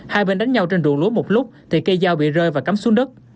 hai bên đánh nhau trên rụng lúa một lúc thì cây dao bị rơi và cắm xuống đất